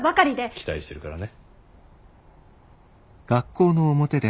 期待してるからね。